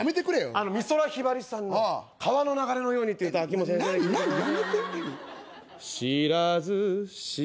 あの美空ひばりさんの「川の流れのように」っていう歌秋元先生で聞いてください何何？